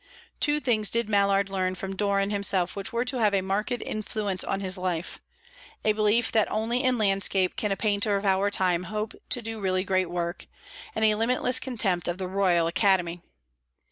Two things did Mallard learn from Doran himself which were to have a marked influence on his life a belief that only in landscape can a painter of our time hope to do really great work, and a limitless contempt of the Royal Academy.